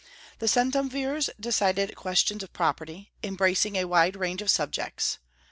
The centumvirs decided questions of property, embracing a wide range of subjects.